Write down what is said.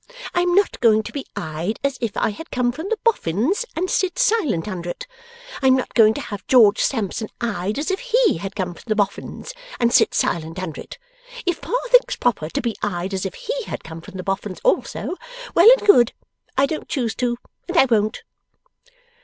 I am not going to be eyed as if I had come from the Boffins, and sit silent under it. I am not going to have George Sampson eyed as if HE had come from the Boffins, and sit silent under it. If Pa thinks proper to be eyed as if HE had come from the Boffins also, well and good. I don't choose to. And I won't!